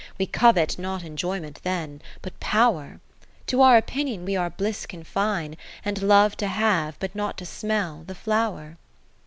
We covet not enjoyment then, but Power : To our opinion we our bliss confine. And love to have, but not to smell, the flower.